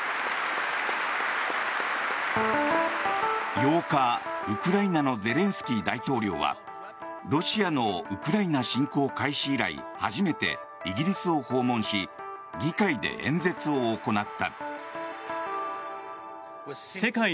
８日、ウクライナのゼレンスキー大統領はロシアのウクライナ侵攻開始以来初めてイギリスを訪問し議会で演説を行った。